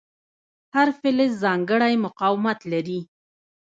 هر فلز ځانګړی مقاومت لري.